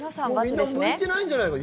みんな向いてないんじゃないの？